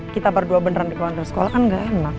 kita berdua beneran di kolam tersekolah kan gak enak